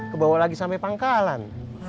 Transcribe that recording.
kebawa lagi sampai pangkalan